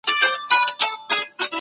ایا په کتابتون کي داستاني کتابونه سته؟